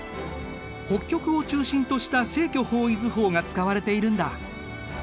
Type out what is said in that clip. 北極を中心とした正距方位図法が使われているんだ。